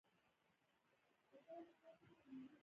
د انسانانو هېڅ صفت ورته منسوب نه شي.